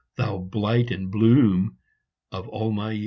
Thou blight and bloom of all my years